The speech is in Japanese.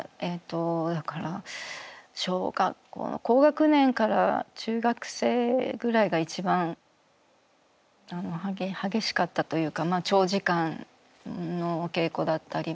だから小学校の高学年から中学生ぐらいが一番激しかったというか長時間のお稽古だったり。